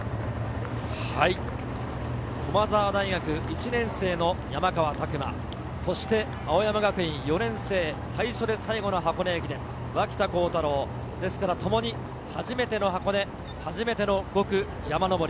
駒澤大学１年生の山川拓馬、そして青山学院４年生、最初で最後の箱根駅伝、脇田幸太朗、ともに初めての箱根、初めての５区山上り。